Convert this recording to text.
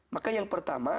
maka yang pertama